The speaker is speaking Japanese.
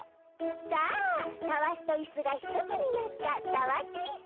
さあたわしとイスが一つになったたわしイス。